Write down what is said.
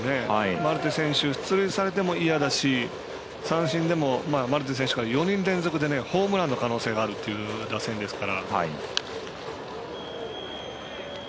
マルテ選手、出塁されても嫌だし三振されてもマルテ選手から４人連続でホームランの可能性があるという打線ですから。